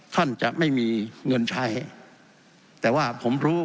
ท่านจะไม่มีเงินใช้แต่ว่าผมรู้